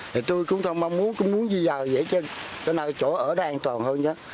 thì tôi cũng không mong muốn cũng muốn dư dờ vậy chứ cho nên chỗ ở đó an toàn hơn nhé